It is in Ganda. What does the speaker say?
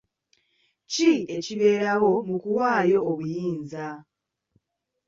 Ki ekibeerawo mu kuwaayo obuyinza?